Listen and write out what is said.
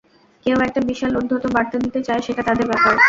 কেউ একটা বিশাল উদ্ধত বার্তা দিতে চায়, সেটা তাদের ব্যাপার।